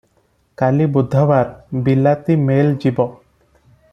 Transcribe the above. କାଲି ବୁଧବାର ବିଲାତୀ ମେଲ୍ ଯିବ ।